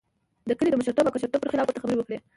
د کلي د مشرتوب او کشرتوب پر خلاف ورته خبرې وکړې.